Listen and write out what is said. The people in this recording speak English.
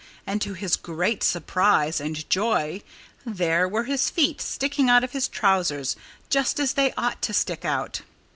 And to his great surprise and joy there were his feet sticking out of his trousers, just as they ought to stick out!